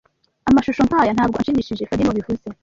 Amashusho nkaya ntabwo anshimishije fabien niwe wabivuze